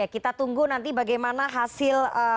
kita tunggu nanti bagaimana hasil